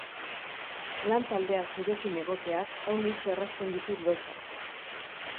Lan taldea zurekin egoteak aunitz errazten ditu gauzak